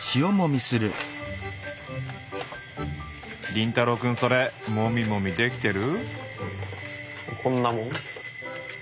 凛太郎くんそれもみもみできてる？